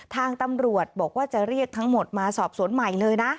ทางตำรวจบอกว่าจะเรียกทั้งหมดมาสอบสวนใหม่เลยนะ